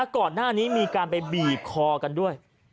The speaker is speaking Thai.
ก่อนหน้ามีสิ่งที่บีบคอกันด้วย